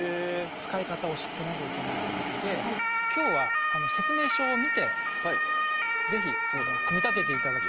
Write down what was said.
使い方を知ってなきゃいけないってことで今日は説明書を見てぜひ組み立てて頂きたいと。